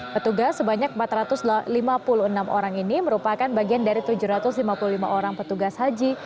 petugas sebanyak empat ratus lima puluh enam orang ini merupakan bagian dari tujuh ratus lima puluh lima orang petugas haji